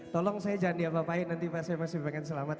tolong saya jangan diapa apain nanti pak saya masih pengen selamat